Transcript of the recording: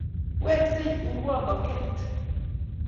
Wekse urwon bo ket.